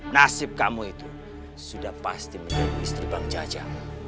nasib kamu itu sudah pasti menjadi istri bang jaja